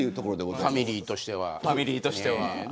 ファミリーとしてはね。